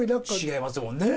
違いますもんね！